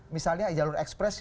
misalnya jalur ekspres